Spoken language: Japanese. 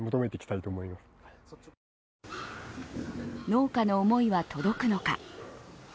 農家の思いは届くのか。